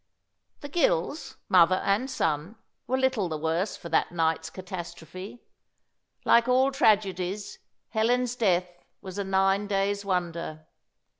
The Gills, mother and son, were little the worse for that night's catastrophe. Like all tragedies, Helen's death was a nine days' wonder.